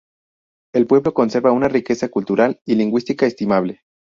El pueblo conserva una riqueza cultural y lingüística estimable.